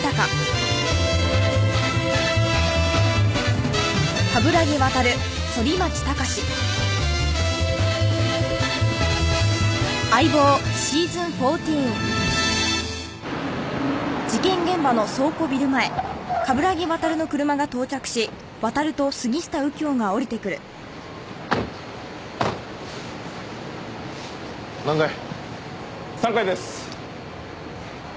３階です。